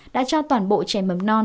đã cho toàn bộ trẻ mầm non